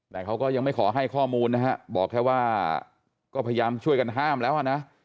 แต่เขาก็ยังไม่ขอให้ข้อมูลนะฮะบอกแค่ว่าก็พยายามช่วยกันห้ามแล้วอ่ะนะ